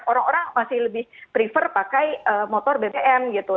orang orang masih lebih prefer pakai motor bbm gitu